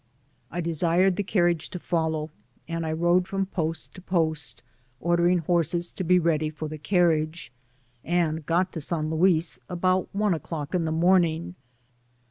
I desired the carriage to follow, and I rode from post to post ordering horses to be ready for the carriage, and got to San Luis about one o^clock in the morning.